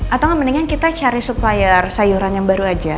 atau mendingan kita cari supplier sayuran yang baru aja